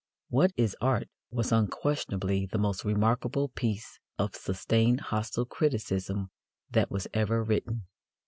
What is Art? was unquestionably the most remarkable piece of sustained hostile criticism that was ever written.